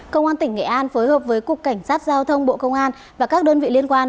công an tỉnh nghệ an phối hợp với cục cảnh sát giao thông bộ công an và các đơn vị liên quan